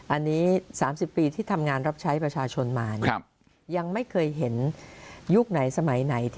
อันนี้๓๐ปีที่ทำงานรับใช้ประชาชนมาเนี่ย